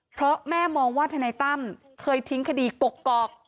เพราะแม่มองว่าทนายตั้มเคยทิ้งคดีกกอก